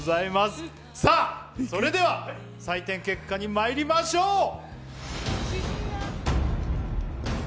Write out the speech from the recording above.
それでは採点結果にまいりましょう。